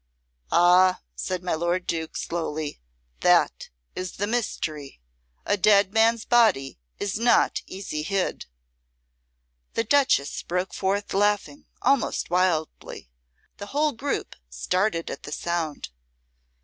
"Ah!" said my lord Duke, slowly, "that is the mystery. A dead man's body is not easy hid." The Duchess broke forth laughing almost wildly. The whole group started at the sound.